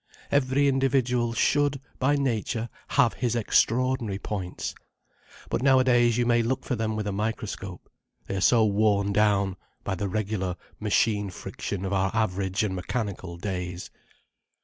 Every individual should, by nature, have his extraordinary points. But nowadays you may look for them with a microscope, they are so worn down by the regular machine friction of our average and mechanical days.